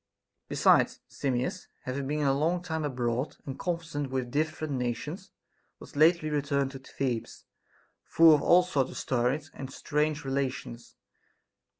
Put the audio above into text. Besides, Simmias, having been a long time abroad and conversant with different nations, was lately returned to Thebes, full of all sorts of stories and strange relations.